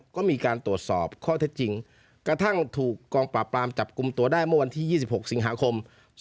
ก็มีการตรวจสอบข้อเท็จจริงกระทั่งถูกกองปราบปรามจับกลุ่มตัวได้เมื่อวันที่๒๖สิงหาคม๒๕๖